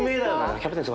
「キャプテン翼」